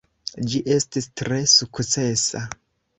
Ĝi estis tre sukcesa.